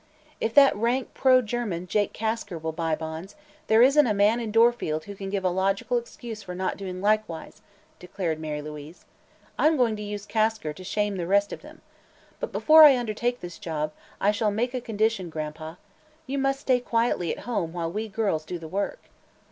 "If that rank pro German, Jake Kasker, will buy bonds, there isn't a man in Dorfield who can give a logical excuse for not doing likewise," declared Mary Louise. "I'm going to use Kasker to shame the rest of them. But, before I undertake this job, I shall make a condition, Gran'pa. You must stay quietly at home while we girls do the work."